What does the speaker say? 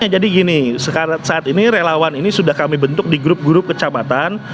jadi gini saat ini relawan ini sudah kami bentuk di grup grup kecamatan